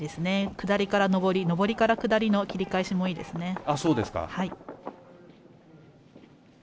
下りから上り上りから下りの切り返しもいいですね。